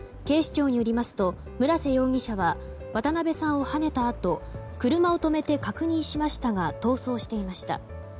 警視庁によりますと村瀬容疑者は渡辺さんをはねたあと車を止めて確認しましたが逃走していました。